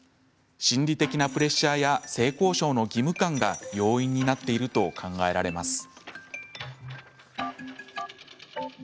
心理的なプレッシャーや性交渉の義務感が要因になっていると考えられます。